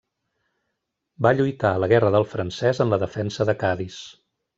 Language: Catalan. Va lluitar a la guerra del francès en la defensa de Cadis.